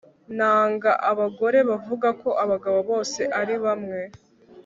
Nanga abagore bavuga ko abagabo bose ari bamwe